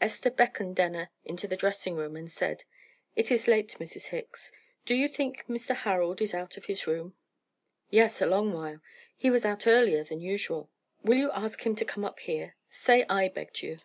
Esther beckoned Denner into the dressing room, and said: "It is late, Mrs. Hickes. Do you think Mr. Harold is out of his room?" "Yes, a long while; he was out earlier than usual." "Will you ask him to come up here? Say I begged you."